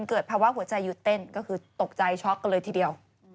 เกิดภาวะหัวใจหยุดเต้นก็คือตกใจช็อกกันเลยทีเดียว